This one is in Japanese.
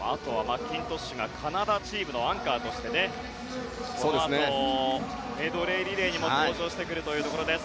カナダチームのアンカーとしてこのあとメドレーリレーにも登場してくるというところです。